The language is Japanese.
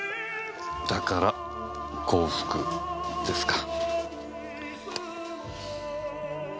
だから「幸福」ですか。